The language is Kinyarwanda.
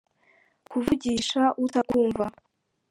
kuvugisha utakumva.